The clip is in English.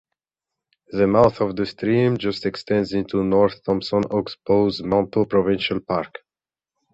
The mouth of the stream just extends into North Thompson Oxbows Manteau Provincial Park.